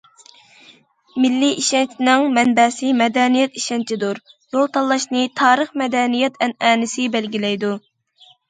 مىللىي ئىشەنچنىڭ مەنبەسى مەدەنىيەت ئىشەنچىدۇر، يول تاللاشنى تارىخ- مەدەنىيەت ئەنئەنىسى بەلگىلەيدۇ.